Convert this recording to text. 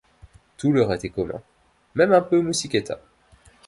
Tout leur était commun, même un peu Musichetta.